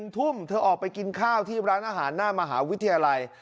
ทุ่มเธอออกไปกินข้าวที่ร้านอาหารหน้ามหาวิทยาลัย